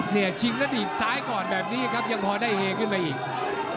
เนี่ยชิงระดิษฐ์ซ้ายก่อนแบบนี้ครับยังพอได้เฮขึ้นไปอีก